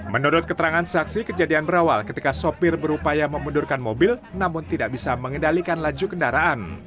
menurut keterangan saksi kejadian berawal ketika sopir berupaya memundurkan mobil namun tidak bisa mengendalikan laju kendaraan